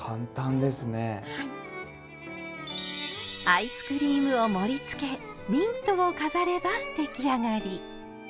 アイスクリームを盛りつけミントを飾れば出来上がり！